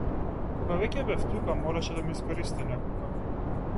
Кога веќе бев тука мораше да ме искористи некако.